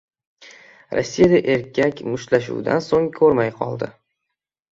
Rossiyada erkak mushtlashuvdan so‘ng ko‘rmay qoldi